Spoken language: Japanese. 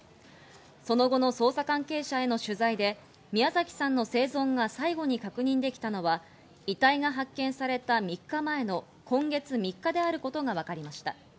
その後の捜査関係者への取材で宮崎さんの生存が最後に確認できたのは遺体が発見された３日前の、今月３日であることがわかりました。